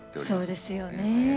そうですよねえ。